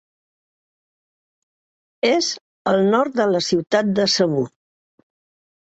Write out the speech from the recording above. És al nord de la ciutat de Cebu.